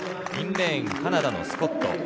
インレーン、カナダのスコット。